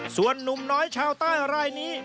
ส่วนนุ่มน้อยชาวใต้รายนี้